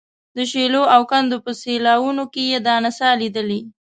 د شیلو او کندو په سیلاوونو کې یې دا نڅا لیدلې.